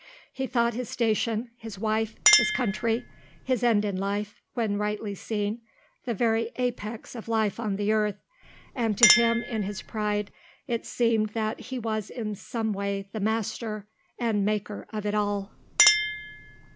He thought his station, his wife, his country, his end in life, when rightly seen, the very apex of life on the earth, and to him in his pride it seemed that he was in some way the master and maker of it all.